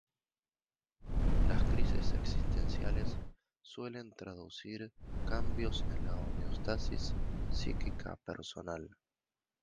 Las crisis existenciales suelen traducir cambios en la homeostasis psíquica personal.